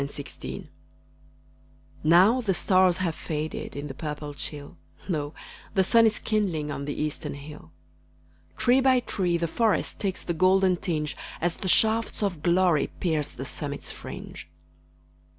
At Sunrise Now the stars have faded In the purple chill, Lo, the sun is kindling On the eastern hill. Tree by tree the forest Takes the golden tinge, As the shafts of glory Pierce the summit's fringe.